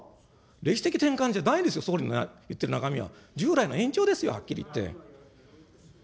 歴史的転換じゃないですよ、総理の言ってる中身は、従来の延長ですよ、はっきり言って。